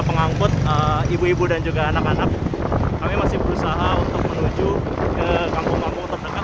pengangkut ibu ibu dan juga anak anak kami masih berusaha untuk menuju ke kampung kampung terdekat